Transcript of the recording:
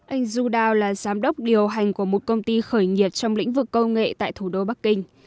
anh judao là giám đốc điều hành của một công ty khởi nghiệp trong lĩnh vực công nghệ tại thủ đô bắc kinh